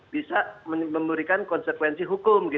bisa memberikan konsekuensi hukum